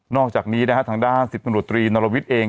นอกจากนี้ทางด้าน๑๐บนนเอง